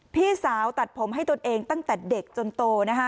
พี่สาวตัดผมให้ตนเองตั้งแต่เด็กจนโตนะคะ